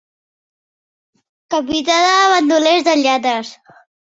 Capità de bandolers, de lladres.